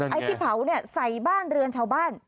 ไอ้ที่เผาเนี่ยใส่รืนชาวบ้าน